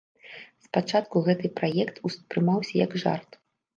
Спачатку гэты праект успрымаўся як жарт.